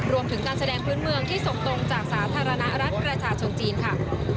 รวมถึงการแสดงพื้นเมืองที่ส่งตรงจากสาธารณรัฐประชาชนจีนค่ะ